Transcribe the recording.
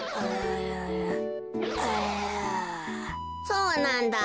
「そうなんだ。